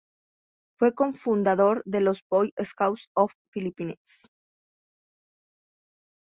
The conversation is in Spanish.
Fue cofundador de los "Boy Scouts of the Philippines".